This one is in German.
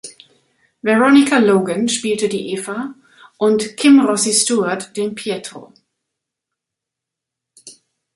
Veronica Logan spielte die "Eva" und Kim Rossi Stuart den "Pietro".